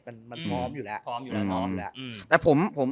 มันมันพร้อมอยู่แล้วพร้อมอยู่แล้วพร้อมแล้วอืมแต่ผมผม